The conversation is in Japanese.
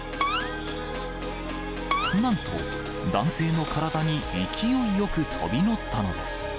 なんと、男性の体に勢いよく飛び乗ったのです。